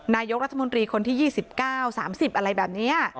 นายกรัฐมนตรีคนที่๒๙๓๐อะไรแบบนี้